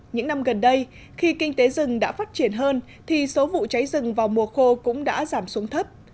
những năm gần đây khi kinh tế rừng đã phát triển hơn thì số vụ cháy rừng vào mùa khô cũng đã giảm xuống thấp